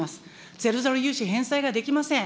ゼロゼロ融資返済ができません。